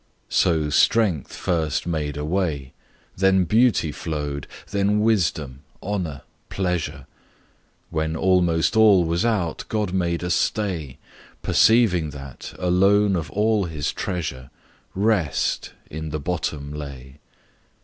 So strength first made a way, Then beauty flow'd, then wisdom, honour, pleasure; When almost all was out, God made a stay, Perceiving that, alone of all His treasure, Rest in the bottom lay.